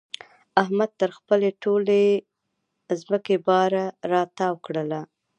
احمد تر خپلې ټولې ځمکې باره را تاو کړله.